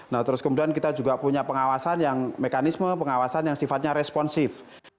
nah terus kemudian kita juga punya pengawasan yang mekanisme pengawasan yang sifatnya responsif